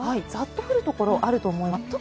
ざっと降るところがあると思います。